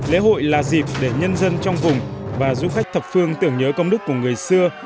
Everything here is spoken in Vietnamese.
lễ hội là dịp để nhân dân trong vùng và du khách thập phương tưởng nhớ công đức của người xưa